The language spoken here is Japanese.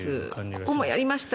ここもやりました